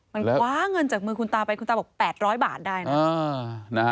มันคว้าเงินจากมือคุณตาไปคุณตาบอก๘๐๐บาทได้นะ